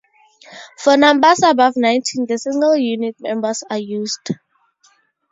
For numbers above nineteen the single unit numbers are used.